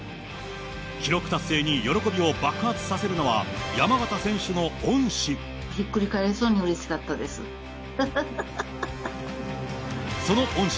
記録達成に喜びを爆発させるのは山縣選手の恩師。